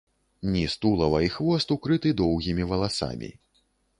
Ніз тулава і хвост укрыты доўгімі валасамі.